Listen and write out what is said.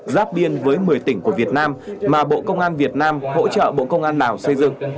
giáp biên với một mươi tỉnh của việt nam mà bộ công an việt nam hỗ trợ bộ công an lào xây dựng